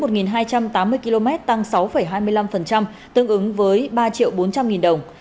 đường bay từ một hai trăm tám mươi km tăng sáu hai mươi năm tương ứng với ba bốn trăm linh đồng